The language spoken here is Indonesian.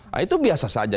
nah itu biasa saja